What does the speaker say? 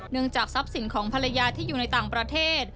จากทรัพย์สินของภรรยาที่อยู่ในต่างประเทศ